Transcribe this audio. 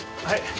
はい。